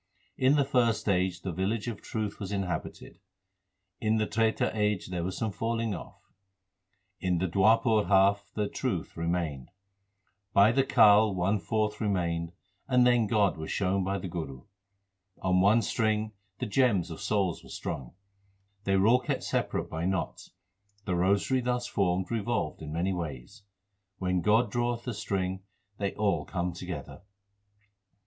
In the first age the village of truth was inhabited ; 2 In the Treta age there was some falling off ; 3 In the Dwarpar half the truth remained ; In the Kal one fourth remained, and then God was shown by the Guru. On one string 4 the gems of souls were strung ; They were all kept separate by knots : 5 The rosary thus formed revolved in many ways. 6 When God draweth the string, they all come together.